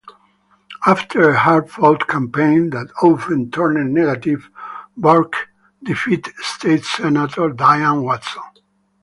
After a hard-fought campaign that often turned negative, Burke defeated State Senator Diane Watson.